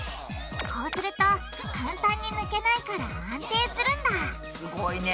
こうすると簡単に抜けないから安定するんだすごいね。